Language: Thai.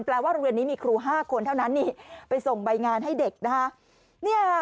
แปลว่าเรียนมีครู๕คนเท่านั้นไปส่งใบงานให้เด็กนะคะ